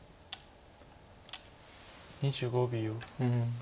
２５秒。